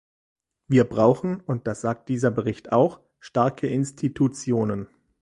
Wir brauchen, und das sagt dieser Bericht auch, starke Institutionen.